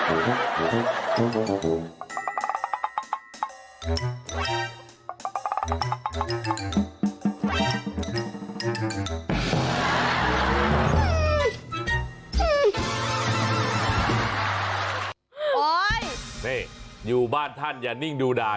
โอ้โหนี่อยู่บ้านท่านอย่านิ่งดูด่า